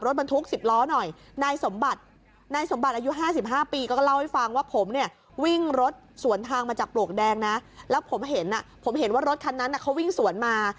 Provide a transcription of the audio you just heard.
โอ้เหตุการณ์สะหรษที่เกิดขึ้นเนี่ยนะคะ